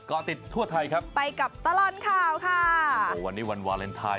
กรทรติดทั่วไทย